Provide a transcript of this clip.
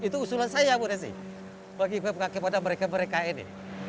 itu usulan saya bu desi bagi mereka mereka ini